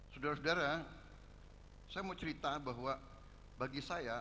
saudara saudara saya mau cerita bahwa bagi saya